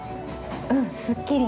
◆うん、すっきり。